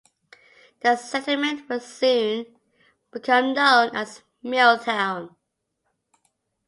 The settlement would soon become known as Milltown.